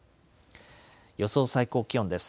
予想最高気温です。